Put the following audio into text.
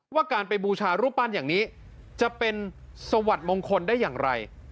ว่าการไปบูชารูปปั้นอย่างนี้จะเป็นสวัสดิ์มงคลได้อย่างไร